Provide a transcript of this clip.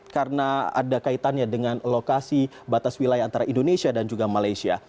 karena ada kaitannya dengan lokasi batas wilayah antara indonesia dan juga malaysia